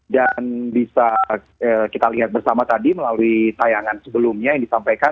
bisa kita lihat bersama tadi melalui tayangan sebelumnya yang disampaikan